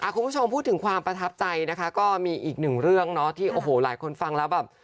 คุณผู้ชมพูดถึงความประทับใจนะคะก็มีอีกหนึ่งเรื่องเนาะที่โอ้โหหลายคนฟังแล้วแบบ